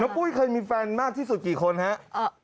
ปุ้ยเคยมีแฟนมากที่สุดกี่คนครับ